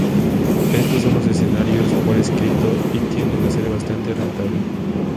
Estos son los escenarios por escrito y tienden a ser bastante rentable.